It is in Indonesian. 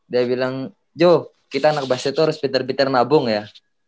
dia bilang jo kita anak basket tuh harus pinter pinter nabung ya